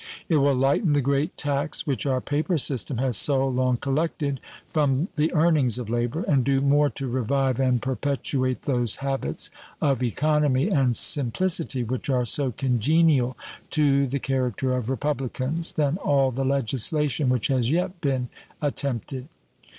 It will lighten the great tax which our paper system has so long collected from the earnings of labor, and do more to revive and perpetuate those habits of economy and simplicity which are so congenial to the character of republicans than all the legislation which has yet been attempted.